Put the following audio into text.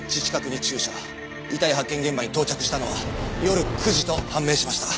遺体発見現場に到着したのは夜９時と判明しました。